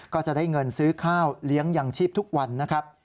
ก็จะได้เงินซื้อข้าวเลี้ยงยังชีพทุกวันนะครับ